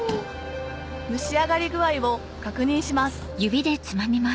蒸し上がり具合を確認します